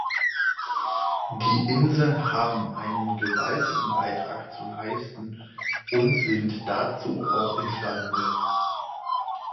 Die Inseln haben einen gewaltigen Beitrag zu leisten und sind dazu auch imstande.